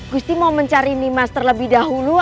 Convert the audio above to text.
gusti mau mencari nimas terlebih dahulu